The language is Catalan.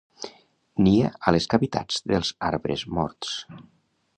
Nia a les cavitats dels arbres morts.